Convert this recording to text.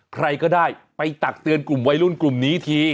ใครก็ได้ไปตักเตือนกลุ่มวัยรุ่นกลุ่มนี้ที